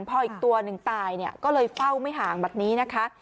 พออีกตัวหนึ่งตายเนี่ยก็เลยเฝ้าไม่ห่างแบบนี้นะคะ